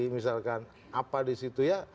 misalkan apa di situ ya